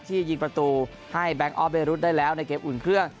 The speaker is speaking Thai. ยิงประตูให้แบงคออฟเบรุษได้แล้วในเกมอุ่นเครื่อง